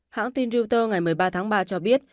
trong tin reuters ngày một mươi ba tháng ba cho biết